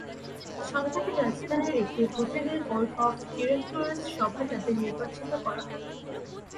সম্প্রতি রাজধানীর একটি হোটেলে বোর্ড অব ডিরেক্টরসের সভায় তাঁদের নির্বাচিত করা হয়।